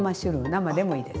生でもいいです。